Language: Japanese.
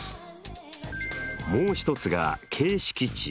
もう一つが形式知。